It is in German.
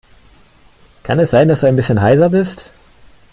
Kann es sein, dass du ein bisschen heiser bist?